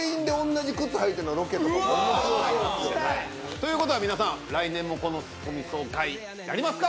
という事は皆さん来年もこのツッコミ総会やりますか？